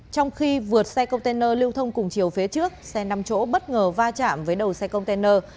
trong khi vượt xe container lưu thông cùng chiều phía trước xe năm chỗ bất ngờ va chạm với đầu xe container